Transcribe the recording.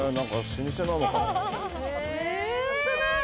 老舗なのかな？